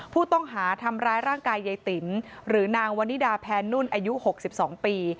ผู้ต้องหาทำร้ายร่างกายยายติ๋มหรือนางวันนิดาแพนุ่นอายุ๖๒ปี